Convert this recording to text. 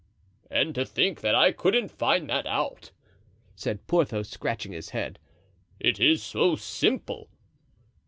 "And to think that I couldn't find that out," said Porthos, scratching his head; "it is so simple."